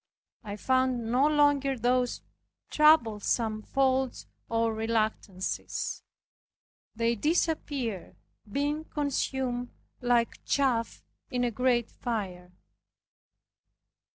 I found no longer those troublesome faults or reluctances. They disappeared, being consumed like chaff in a great fire.